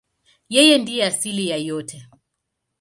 Yeye ndiye asili ya yote.